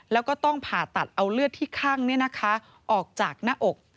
แล้วก็ต้องผ่าตัดเอาเลือดที่ข้างออกจากหน้าอก